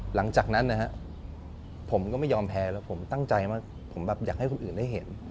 หลังจากนั้นนะฮะผมก็ไม่ยอมแพ้แล้วผมตั้งใจว่าผมแบบอยากให้คนอื่นได้เห็น